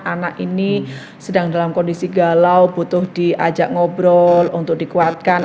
anak ini sedang dalam kondisi galau butuh diajak ngobrol untuk dikuatkan